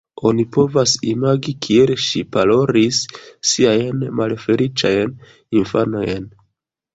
Oni povas imagi, kiel ŝi ploris siajn malfeliĉajn infanojn.